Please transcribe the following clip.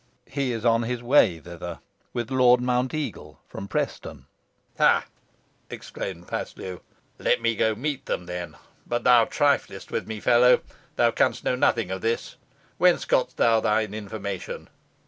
"He is on his way thither with Lord Mounteagle from Preston." "Ha!" exclaimed Paslew, "let me go meet them, then. But thou triflest with me, fellow. Thou canst know nothing of this. Whence gott'st thou thine information?"